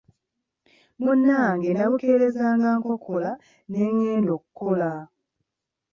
Munnange nnabukeerezanga nkokola ne ngenda okukola.